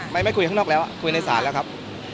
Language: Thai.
ไม่คุยข้างนอกแล้วคุยในศาลแล้วครับ